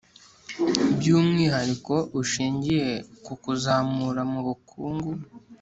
by’umwihariko bushingiye ku kuzamurana mu bukungu